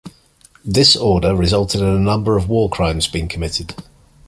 This order resulted in a number of war crimes being committed.